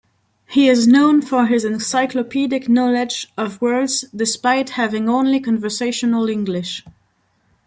He is known for his encyclopedic knowledge of words despite having only conversational English.